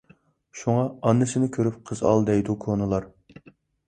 شۇڭا، «ئانىسىنى كۆرۈپ قىز ئال» دەيدۇ كونىلار.